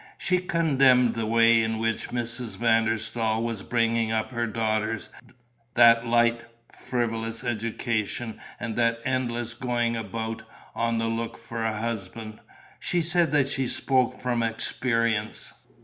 She condemned the way in which Mrs. van der Staal was bringing up her daughters, that light, frivolous education and that endless going about, on the look for a husband. She said that she spoke from experience.